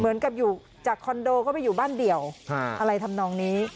เหมือนกับอยู่จากคอนโดก็ไปอยู่บ้านเดี่ยวอะไรทำนองนี้